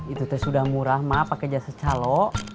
itu tuh sudah murah mak pakai jasa calo